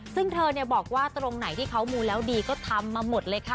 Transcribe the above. ซึ่งเธอบอกว่าตรงไหนที่เขามูแล้วดีก็ทำมาหมดเลยค่ะ